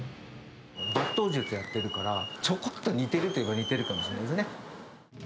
抜刀術をやっているから、ちょっと似てるといえば似てるかもしれないですね。